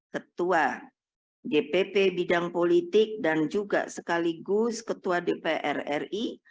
ketua dpp bidang politik dan juga sekaligus ketua dpr ri